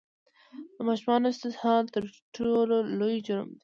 د ماشومانو استحصال تر ټولو لوی جرم دی!